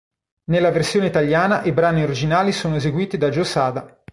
Nella versione italiana i brani originali sono eseguiti da Giò Sada.